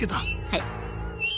はい。